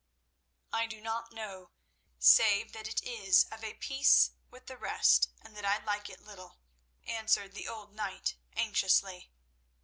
"I do not know, save that it is of a piece with the rest, and that I like it little," answered the old knight anxiously.